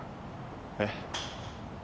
えっ。